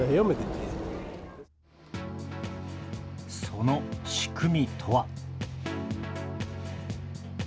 その仕組みとは。